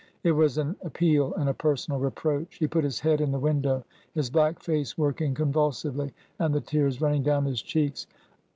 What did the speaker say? It was an ap peal and a personal reproach. He put his head in the window, his black face working convulsively, and the tears running down his cheeks.